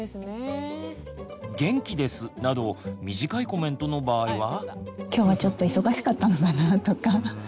「元気です」など短いコメントの場合は？